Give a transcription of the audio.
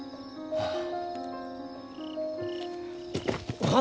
はあ。